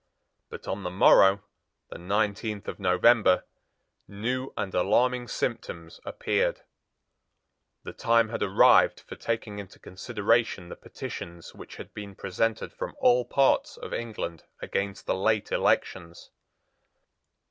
But on the morrow, the nineteenth of November, new and alarming symptoms appeared. The time had arrived for taking into consideration the petitions which had been presented from all parts of England against the late elections.